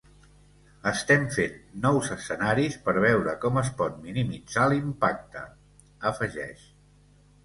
Estem fent nous escenaris per veure com es pot minimitzar l’impacte, afegeix.